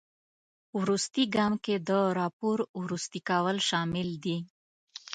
وروستي ګام کې د راپور وروستي کول شامل دي.